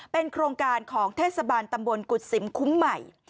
เป็นโครงการของเทศบาลตำบลกุศิมคุ้มใหม่